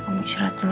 kamu istirahat dulu